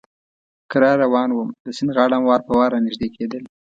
کرار روان ووم، د سیند غاړه هم وار په وار را نږدې کېدل.